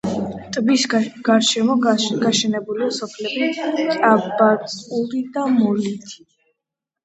ტბის გარშემო გაშენებულია სოფლები ტაბაწყური და მოლითი.